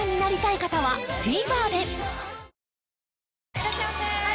いらっしゃいませ！